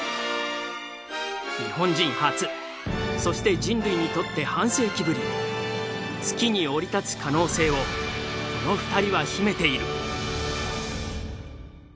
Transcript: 日本人初そして人類にとって半世紀ぶり月に降り立つ可能性をこの２人は秘めている。